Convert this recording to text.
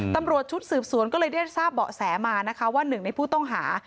ตำรวจชุดสืบสวนก็เลยได้ทราบเบาะแสมานะคะว่าหนึ่งในผู้ต้องหา